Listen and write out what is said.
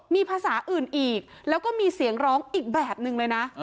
มีภาษาอื่นอีกแล้วก็มีเสียงร้องอีกแบบหนึ่งเลยนะ